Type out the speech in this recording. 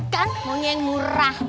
kan maunya yang murah